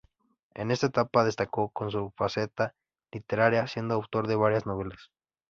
En esta etapa destacó en su faceta literaria, siendo autor de varias novelas.